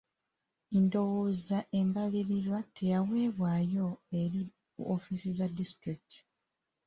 Ndowooza embalirira teyaweebwayo eri woofiisi za disitulikiti.